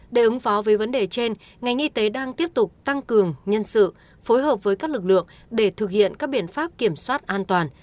để ứng phó với vấn đề trên ngành y tế đang tiếp tục tăng cường nhân sự phối hợp với các lực lượng để thực hiện các biện pháp kiểm soát an toàn